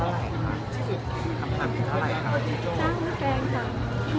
อยากจะขอบคุณกับรายการนี้อย่างไรบ้าง